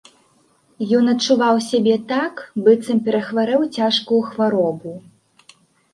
Ён адчуваў сябе так, быццам перахварэў цяжкую хваробу.